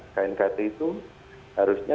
knkt itu harusnya